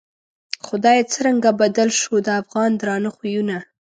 خدایه څرنگه بدل شوو، د افغان درانه خویونه